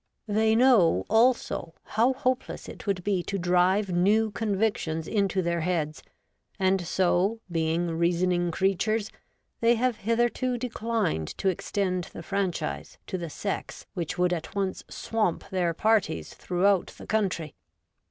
They know, also, how hope less it would be to drive new convictions into their heads, and so, being reasoning creatures, they have hitherto declined to extend the franchise to the sex which would at once swamp their parties throughout the country.